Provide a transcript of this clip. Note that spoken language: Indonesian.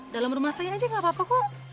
dalam rumah saya aja gak apa apa kok